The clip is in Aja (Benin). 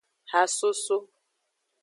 Hasoso.